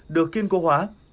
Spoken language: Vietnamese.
được kiên cố hóa